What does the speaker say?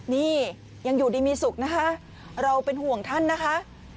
นี่ยังอยู่ดีมีสุขนะคะเราเป็นห่วงท่านนะคะ